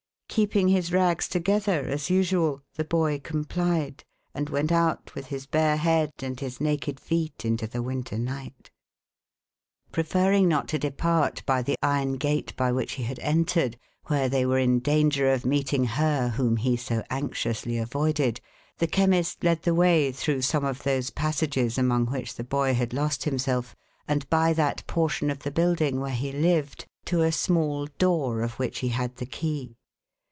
Keeping his rags together, as usual, the boy complied, and went out with his bare head and his naked feet into the winter night. Preferring not to depart by the iron gate by which he had 480 THE HAUNTED MAN. entered, where they were in danger of meeting her whom he so anxiously avoided, the Chemist led the way, through some of those passages among which the boy had lost himself, and by that portion of the building where he lived, to a small door of which he had the key.